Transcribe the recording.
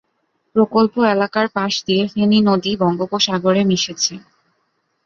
প্রকল্প এলাকার পাশ দিয়ে ফেনী নদী বঙ্গোপসাগরে মিশেছে।